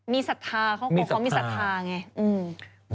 มีศรัทธาเขามีศรัทธาไง